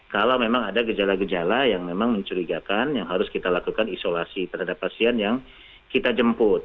kalau memang ada gejala gejala yang memang mencurigakan yang harus kita lakukan isolasi terhadap pasien yang kita jemput